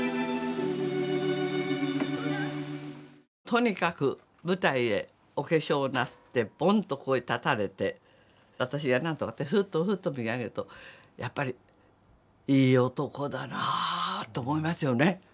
とにかく舞台へお化粧なすってぼんとここへ立たれて私が何とかってふっとふっと見上げるとやっぱり「いい男だなあ」と思いますよね。